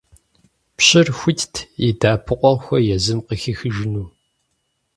Пщыр хуитт и дэӀэпыкъуэгъухэр езым къыхихыжыну.